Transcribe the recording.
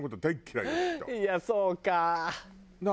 いやそうか。